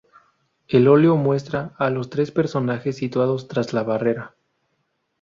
El óleo muestra a tres personajes situados tras la barrera.